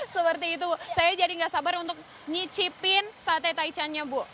seperti itu saya jadi nggak sabar untuk nyicipin sate taichannya bu